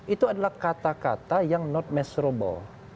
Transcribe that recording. itu adalah kata kata yang not measurable